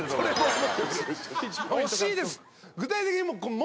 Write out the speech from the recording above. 惜しいです。